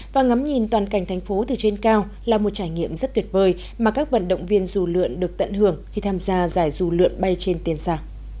và ngắm nhìn toàn cảnh thành phố từ trên cao là một trải nghiệm rất tuyệt vời mà các vận động viên dù lượn được tận hưởng khi tham gia giải dù lượn bay trên tiền xa